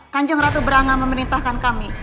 kanjeng ratu beranga memerintahkan kami